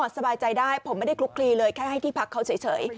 สบายใจได้ผมไม่ได้คลุกคลีเลยแค่ให้ที่พักเขาเฉย